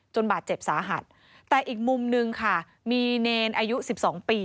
บาดเจ็บสาหัสแต่อีกมุมนึงค่ะมีเนรอายุสิบสองปี